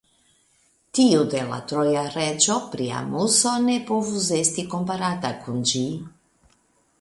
Tiu de la troja reĝo Priamuso ne povus esti komparata kun ĝi.